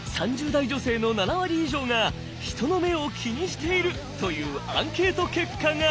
２０代３０代女性の７割以上が人の目を気にしているというアンケート結果が！